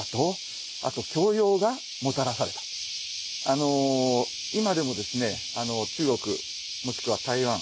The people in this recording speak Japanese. あの今でもですね中国もしくは台湾。